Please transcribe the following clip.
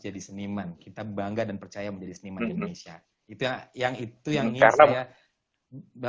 jadi seniman kita bangga dan percaya menjadi seniman indonesia itu yang itu yangnya ada